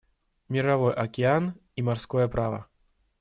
Мировой океан и морское право.